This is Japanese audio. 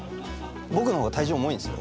僕の方が体重重いんですよ。